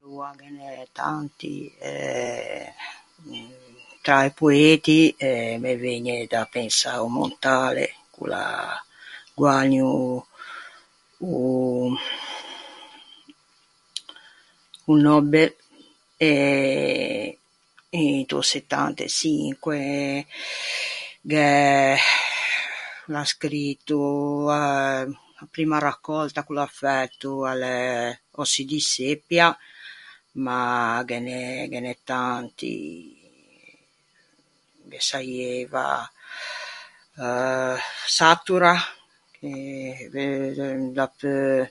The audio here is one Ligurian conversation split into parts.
Aloa, ghe n'é tanti, eh. Tra i poeti eh me vëgne da pensâ a-o Montale, ch'o l'à guägno o o o Nobel, e into settant'e çinque gh'é... o l'à scrito, a a primma raccòlta ch'o l'à fæto a l'é Ossi di seppia. Ma ghe n'é, ghe n'é tanti. Ghe saieiva... euh... Satura. E... euh... dapeu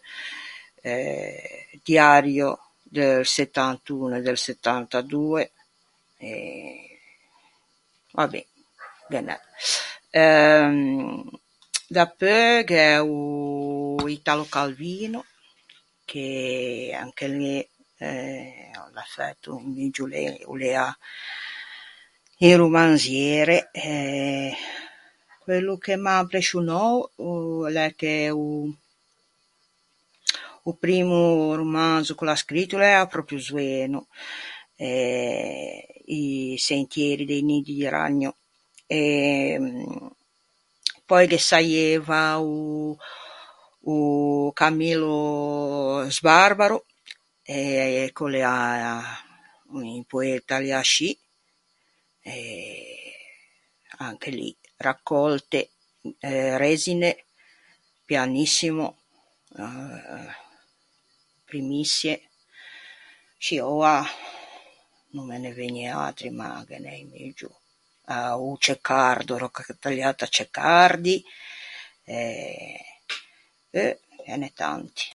eh Diario do 71 e del 72. E, va ben, ghe n'é. Euh... dapeu gh'é o Italo Calvino, che anche lê o l'à o l'à fæto un muggio, lê o l'ea un romanziere... eh. Quello ch'o m'à imprescionou l'é che o o primmo romanso ch'o l'à scrito o l'ea pròpio zoeno. Eh... i sentieri dei nidi di ragno. E pöi ghe saieiva o o Camillo Sbarbaro... eh... ch'o l'ea un poeta lê ascì. E, anche lì, raccòlte eh Resine, Pianissimo, Primiçie. Scì, oua no me ne vëgne atri, ma ghe n'é un muggio. O Ceccardo, Roccatagliata Ceccardi e... euh, ghe n'é tanti.